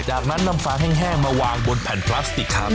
จากนั้นนำฟางแห้งมาวางบนแผ่นพลาสติกครับ